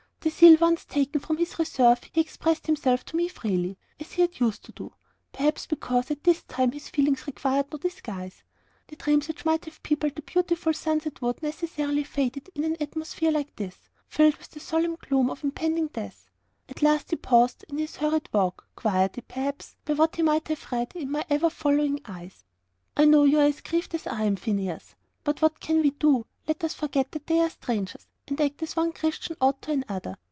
The seal once taken from his reserve, he expressed himself to me freely, as he had used to do perhaps because at this time his feelings required no disguise. The dreams which might have peopled that beautiful sunset wood necessarily faded in an atmosphere like this filled with the solemn gloom of impending death. At last he paused in his hurried walk, quieted, perhaps, by what he might have read in my ever following eyes. "I know you are as grieved as I am, Phineas. What can we do? Let us forget that they are strangers, and act as one Christian ought to another.